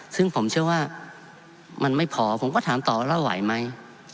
ซึ่งผมเชื่อว่ามันไม่พอผมก็ถามต่อว่าเราไหวไหม